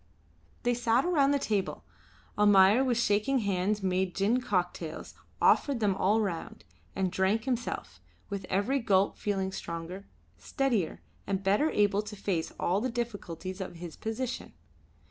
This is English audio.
They sat around the table. Almayer with shaking hands made gin cocktails, offered them all round, and drank himself, with every gulp feeling stronger, steadier, and better able to face all the difficulties of his position.